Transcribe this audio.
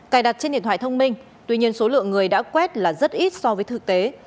cài đặt trên điện thoại thông minh tuy nhiên số lượng người đã quét là rất ít so với thực tế